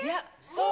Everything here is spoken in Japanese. そう。